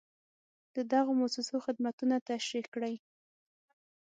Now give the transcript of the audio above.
د دغو مؤسسو خدمتونه تشریح کړئ.